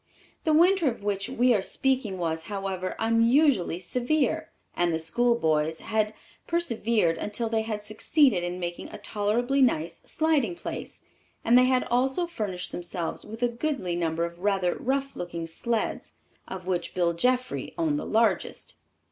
The winter of which we are speaking was, however, unusually severe, and the schoolboys had persevered until they had succeeded in making a tolerably nice sliding place, and they had also furnished themselves with a goodly number of rather rough looking sleds, of which Bill Jeffrey owned the largest.